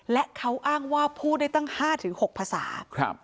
และเขาอ้างว่าพูดได้ตั้ง๕๖ภาษา